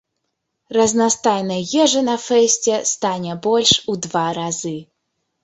Разнастайнай ежы на фэсце стане больш у два разы.